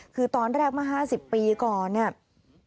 คือตอนแรกมา๕๐ปีก่อนนี่